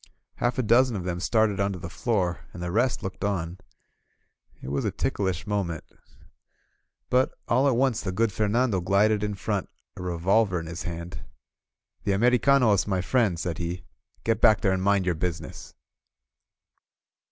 Half a dozen of them started onto the floor, and the rest looked on. It was a ticklish moment. But all 49 INSURGENT MEXICO at once the good Fernando glided in front, a revolver in his hand. "The Americano is my friend !'* said he, "Get back there and mind your business!